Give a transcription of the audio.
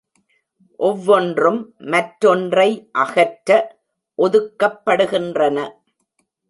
ஒவ்வொன்றும் மற்றொன்றை அகற்ற ஒதுக்கப்படுகின்றன.